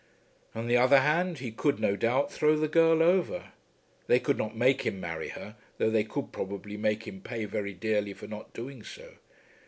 On the other hand he could, no doubt, throw the girl over. They could not make him marry her though they could probably make him pay very dearly for not doing so.